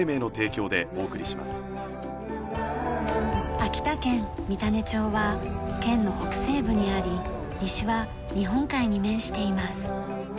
秋田県三種町は県の北西部にあり西は日本海に面しています。